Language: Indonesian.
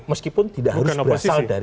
meskipun tidak harus berasal dari